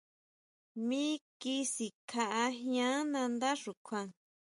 Miki sikajian nandá xukjuan.